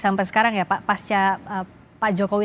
sampai sekarang ya pak pasca pak jokowi